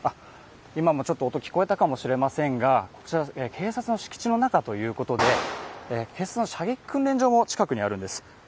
今もちょっと音聞こえたかもしれませんがこちら、警察の敷地の中ということで、警察の射撃訓練場も近くにあるんです。